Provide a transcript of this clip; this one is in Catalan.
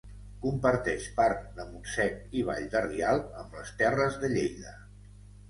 Comparteix part de Montsec i Vall de Rialb amb les Terres de Lleida.